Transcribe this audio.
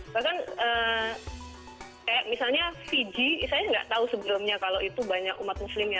bahkan kayak misalnya fiji saya nggak tahu sebelumnya kalau itu banyak umat muslim ya